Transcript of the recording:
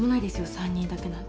三人だけなんて。